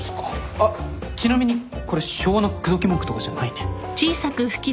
あっちなみにこれ昭和の口説き文句とかじゃないんで。